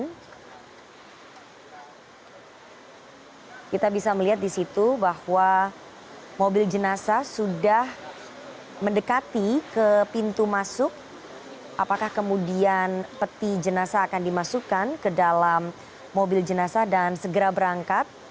dan kita bisa melihat di situ bahwa mobil zilnazah sudah mendekati ke pintu masuk apakah kemudian peti zilnazah akan dimasukkan ke dalam mobil zilnazah dan segera berangkat